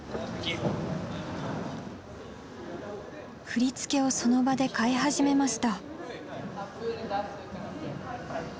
振り付けをその場で変え始めました。